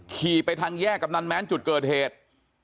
ขี่ไปทางแยกกำนันแม้นจุดเกิดเหตุ